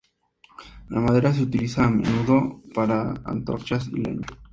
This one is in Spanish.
La madera se utiliza a menudo para antorchas y leña.